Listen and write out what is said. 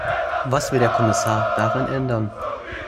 Was will der Kommissar daran ändern?